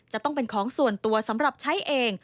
จะต้องเป็นของส่วนตัวสำหรับใช้เอง